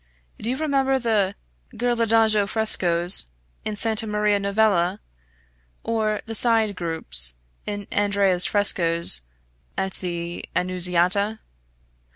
Do you remember the Ghirlandajo frescoes in Santa Maria Novella, or the side groups in Andrea's frescoes at the Annunziata?